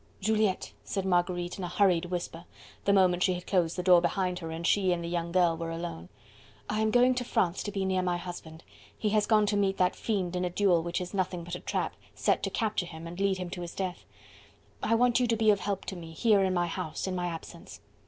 "Juliette," said Marguerite in a hurried whisper, the moment she had closed the door behind her and she and the young girl were alone, "I am going to France to be near my husband. He has gone to meet that fiend in a duel which is nothing but a trap, set to capture him, and lead him to his death. I want you to be of help to me, here in my house, in my absence."